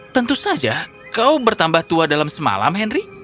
tentu saja kau bertambah tua dalam semalam henry